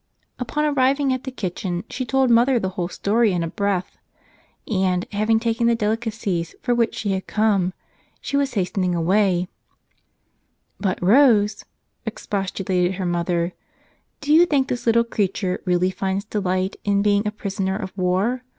Upon arriving at the kitchen, she told mother the whole story in a breath. And, having taken the del¬ icacies for which she had come, she was hastening away — "But, Rose," expostulated her mother, "do you think this little creature really finds delight in being a 'pris¬ oner of war'?